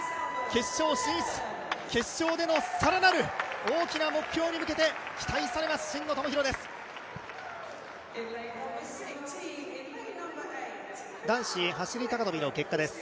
決勝進出、決勝での更なる大きな目標に向けて期待されます、真野友博です。